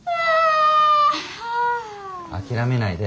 諦めないで。